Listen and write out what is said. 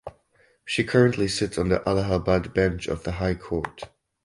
She currently sits on the Allahabad Bench of the High Court.